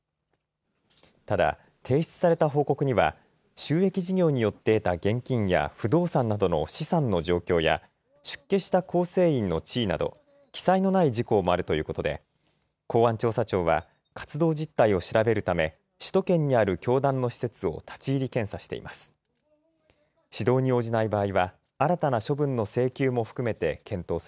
ただ、提出された報告には収益事業によって得た現金や不動産などの資産の状況や出家した構成員の地位など記載のない事項もあるということで公安調査庁は活動実態を調べるため首都圏にある教団の施設を立ち入り検査しています。